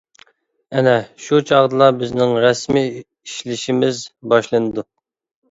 ئەنە شۇ چاغدىلا بىزنىڭ رەسمىي ئىشلىشىمىز باشلىنىدۇ.